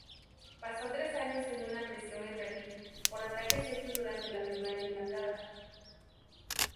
Pasó tres años en una prisión israelí por ataques hechos durante la Primera Intifada.